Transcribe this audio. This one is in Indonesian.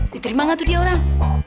diterima nggak tuh dia orang